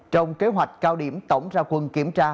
trong kế hoạch cao điểm tổng ra quân kiểm tra